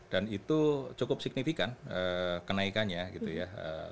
dan itu cukup signifikan kenaikannya gitu ya